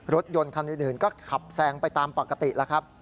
รถยนต์คันอื่นก็ขับแซงไปตามปกติแล้วครับ